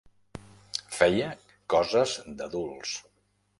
Feia coses d'adults.